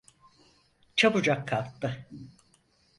Çabucak kalktı.